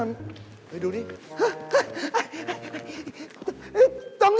ตรงนี้มีคนตาย